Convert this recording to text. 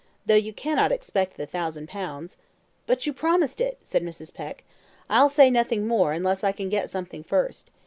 Though you cannot expect the thousand pounds " "But you promised it," said Mrs. Peck. "I'll say nothing more, unless I can get something first.